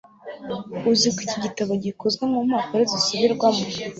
Uzi ko iki gitabo gikozwe mu mpapuro zisubirwamo